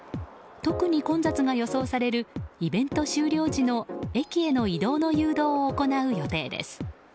特に混雑が予想されるイベント終了時の駅への移動の誘導を行う予定です。